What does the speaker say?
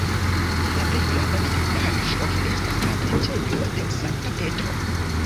La plej grava vidindaĵo estas la preĝejo de Sankta Petro.